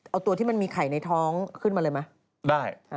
เอาตัวที่มันมีไข่ในท้องขึ้นมาเลยไหมได้